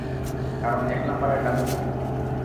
কারন এক নাম্বারের গাধা তুমি একটা।